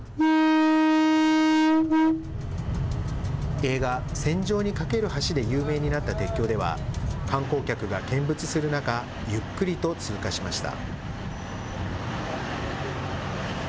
映画、戦場にかける橋で有名になった鉄橋では、観光客が見物する中、ゆっくりと通過しました。